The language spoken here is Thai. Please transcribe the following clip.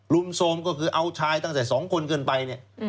ลุมโทรมก็คือเอาชายตั้งแต่๒คนเกินไป